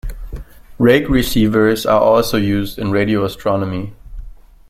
Rake receivers are also used in radio astronomy.